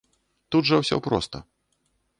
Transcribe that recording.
Тут жа ўсё проста.